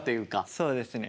そうですね。